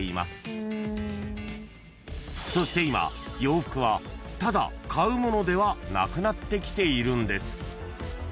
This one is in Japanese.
［そして今洋服はただ買うものではなくなってきているんです］